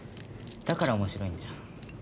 だから面白いんじゃん。